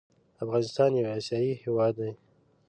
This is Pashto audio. افغانستان يو اسياى هيواد دى